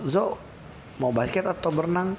zo mau basket atau berenang